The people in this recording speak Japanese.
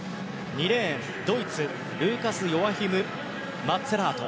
２レーンはドイツルーカス・ヨアヒム・マッツェラート。